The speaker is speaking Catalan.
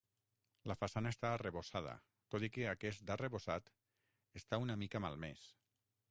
La façana està arrebossada, tot i que aquest arrebossat està una mica malmès.